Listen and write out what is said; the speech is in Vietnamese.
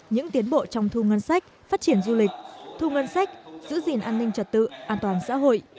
những tiến bộ trong thu ngân sách phát triển du lịch thu ngân sách giữ gìn an ninh trật tự an toàn xã hội